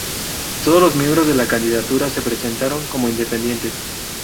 Todos los miembros de la candidatura se presentaron como Independientes.